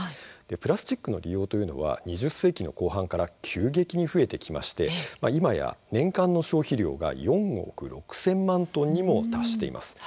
プラスチックの利用というのは２０世紀の後半から急激に増えてきまして今や年間の消費量が４億６０００万トンにも達しています。